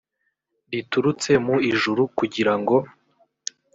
riturutse mu ijuru kugira ngo